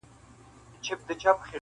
نور به د کابل دحُسن غله شړو,